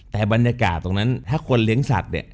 แต่บรรยากาศตรงนั้นถ้าคนเลี้ยงสัตว์เนี่ย